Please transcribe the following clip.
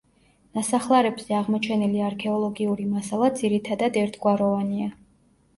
ნასახლარებზე აღმოჩენილი არქეოლოგიური მასალა ძირითადად ერთგვაროვანია.